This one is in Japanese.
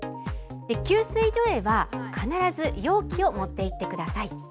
給水所へは必ず容器を持って行ってください。